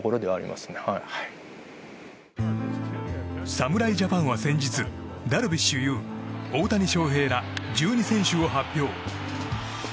侍ジャパンは先日ダルビッシュ有、大谷翔平ら１２選手を発表。